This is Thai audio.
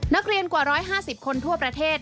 นักเรียนกว่า๑๕๐คนทั่วประเทศ